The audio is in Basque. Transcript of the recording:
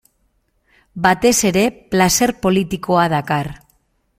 Batez ere, plazer politikoa dakar.